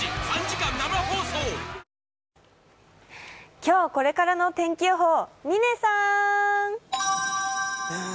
今日、これからの天気予報、嶺さん。